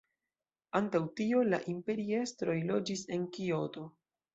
Antaŭ tio la imperiestroj loĝis en Kioto.